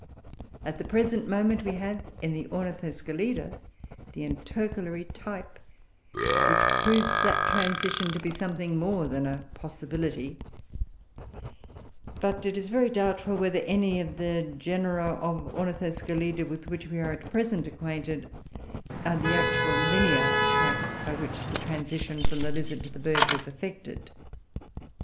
At the present moment, we have, in the Ornithoscelida, the intercalary type, which proves that transition to be something more than a possibility; but it is very doubtful whether any of the genera of Ornithoscelida with which we are at present acquainted are the actual linear types by which the transition from the lizard to the bird was effected.